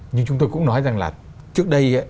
nhưng chúng tôi cũng nói rằng là trước đây